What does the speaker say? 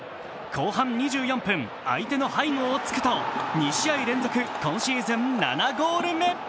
後半２４分、相手の背後を突くと２試合連続、今シーズン７ゴール目。